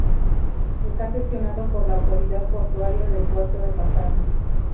Está gestionado por la autoridad portuaria del Puerto de Pasajes.